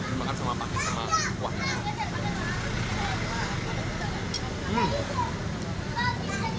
ini makan sama pakis sama kuatnya